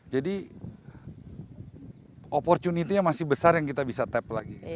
jadi opportunity nya masih besar yang kita bisa tap lagi